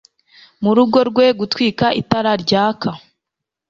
murugo rwe gutwika itara ryaka